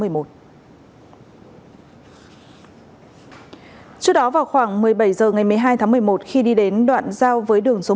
trước đó vào khoảng một mươi bảy h ngày một mươi hai tháng một mươi một khi đi đến đoạn giao với đường số một